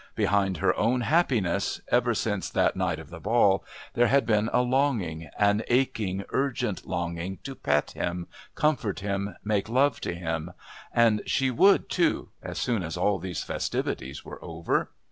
Behind her own happiness, ever since the night of the Ball, there had been a longing, an aching urgent longing to pet him, comfort him, make love to him. And she would, too as soon as all these festivities were over.